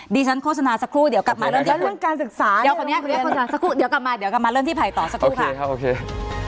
ดีฉันโฆษณาสักครู่เดี๋ยวกลับมาเริ่มที่ภัยต่อสักครู่ค่ะ